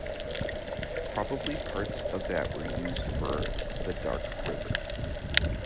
Probably parts of that were used for "The Dark River".